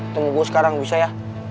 tunggu gue sekarang bisa ya